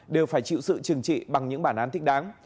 đều phải chịu sự trừng trị bằng những bản án thích đáng